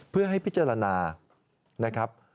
เพื่อให้พิจารณา